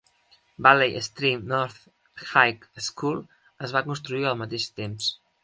Valley Stream North High School es va construir al mateix temps.